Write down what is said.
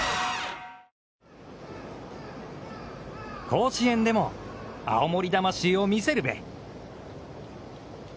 甲子園でも青森魂を見せるべ。